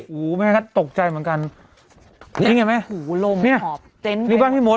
โอ้โหแม่ฮะตกใจเหมือนกันนี่ไงแม่โอ้โหลงออกเต้นไปนี่บ้านพี่มด